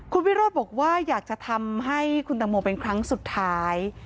คุณวิโรธบอกว่าอยากจะทำให้คุณตังโมเป็นครั้งสุดท้าย